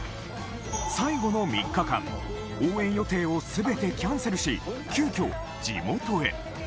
最後の３日間、応援予定をすべてキャンセルし、急きょ、地元へ。